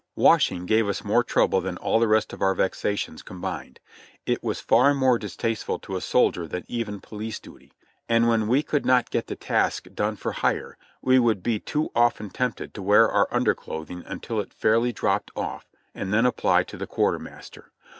Washing gave us more trouble than all the rest of our vexa tions combined. It was far more distasteful to a soldier than even police duty; and when we could not get the task done for hire, we would be too often tempted to wear our underclothing until it fairly dropped off, and then apply to the quartermaster.